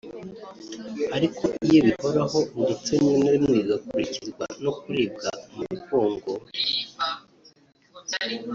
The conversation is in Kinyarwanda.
ariko iyo bihoraho ndetse rimwe na rimwe bigakurikirwa no kuribwa umugongo